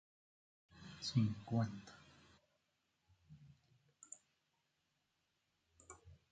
Anna Burke.